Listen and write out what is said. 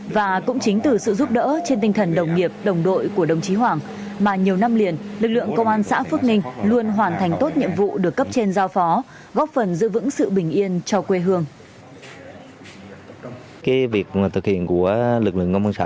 và cũng chính từ sự giúp đỡ trên tinh thần đồng nghiệp đồng đội của đồng chí hoàng mà nhiều năm liền lực lượng công an xã phước ninh luôn hoàn thành tốt nhiệm vụ được cấp trên giao phó góp phần giữ vững sự bình yên cho quê hương